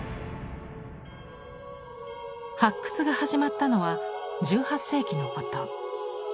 発掘が始まったのは１８世紀のこと。